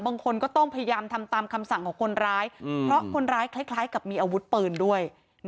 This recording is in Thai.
บางคนก็ต้องพยายามทำตามคำสั่งของคนร้ายเพราะคนร้ายคล้ายกับมีอาวุธปืนด้วย